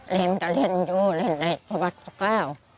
เล่นก็เล่นอยู่เล่นในสวัสดิ์สุข้าว